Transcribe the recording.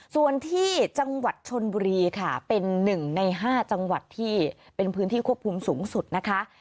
ส่วนที่จังหวัดชนบุรีค่ะเป็น๑ใน๕จังหวัดที่เป็นพื้นที่ควบคุมสูงสุดนะคะ